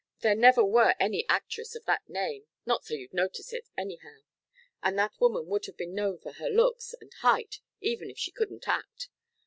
There never was any actress of that name not so you'd notice it, anyhow, and that woman would have been known for her looks and height even if she couldn't act.